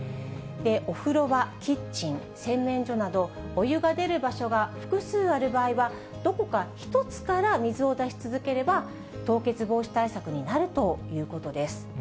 お風呂場、キッチン、洗面所など、お湯が出る場所が複数ある場合は、どこか１つから水を出し続ければ、凍結防止対策になるということです。